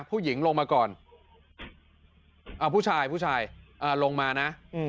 ผู้ญิงลงมาก่อนพู่ชายลงมานะ